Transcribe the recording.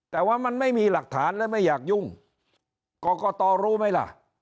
แต่ว่ามันไม่มีหลักฐานและไม่อยากยุ่งกรกตรู้ไหมล่ะ